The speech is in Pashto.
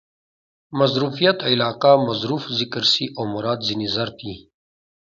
مظروفیت علاقه؛ مظروف ذکر سي او مراد ځني ظرف يي.